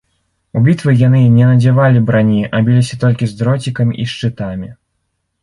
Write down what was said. У бітве яны не надзявалі брані, а біліся толькі з дроцікамі і шчытамі.